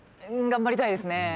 頑張りたいですね。